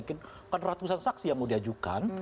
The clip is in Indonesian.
kan ratusan saksi yang mau diajukan